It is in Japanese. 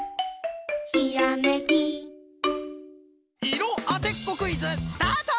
いろあてっこクイズスタート！